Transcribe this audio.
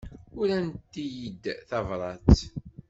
Urant-iyi-d tabrat.